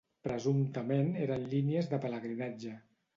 Presumptament eren línies de pelegrinatge.